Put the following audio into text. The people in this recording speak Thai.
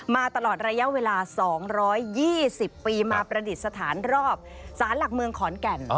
มาตลอดระยะเวลา๒๒๐ปีมาประดิษฐานรอบสารหลักเมืองขอนแก่น